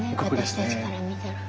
私たちから見たら。